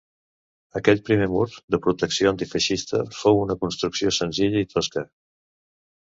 Aquell primer mur, de “protecció antifeixista”, fou una construcció senzilla i tosca.